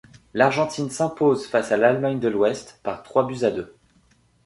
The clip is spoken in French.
L'Argentine s'impose face à l'Allemagne de l'Ouest par trois buts à deux.